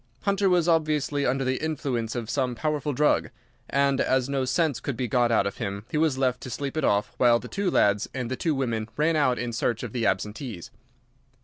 Hunter was obviously under the influence of some powerful drug, and as no sense could be got out of him, he was left to sleep it off while the two lads and the two women ran out in search of the absentees.